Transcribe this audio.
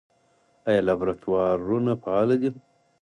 آیا لابراتوارونه فعال دي؟